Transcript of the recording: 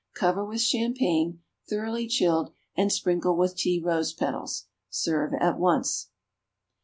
Cover with champagne, thoroughly chilled, and sprinkle with tea rose petals. Serve at once.